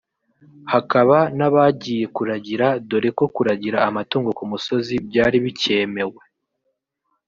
hakaba n’abagiye kuragira dore ko kuragira amatungo ku musozi byari bikemewe